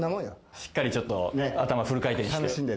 しっかりちょっと、頭フル回楽しんで。